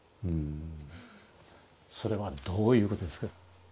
それはどういうことですか？